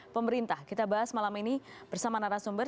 pemerintah kita bahas malam ini bersama narasumber